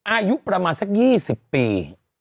อายุประมาณสักยี่สิบปี